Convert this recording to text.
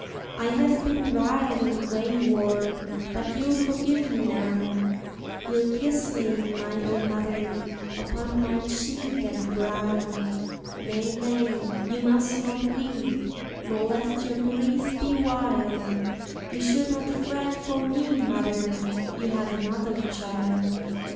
I have been wild and wayward, but you'll forgive me now; You'll kiss me, my own mother, upon my cheek and brow; Nay, nay, you must not weep, nor let your grief be wild; You should not fret for me, mother you have another child.